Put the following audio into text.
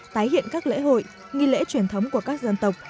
tái hiện các lễ hội nghi lễ truyền thống của các dân tộc